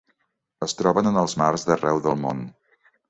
Es troben en els mars d'arreu del món.